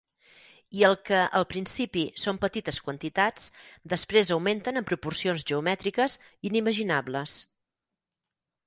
I el que, al principi, són petites quantitats, després augmenten en proporcions geomètriques, inimaginables.